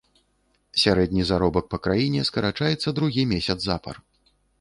Сярэдні заробак па краіне скарачаецца другі месяц запар.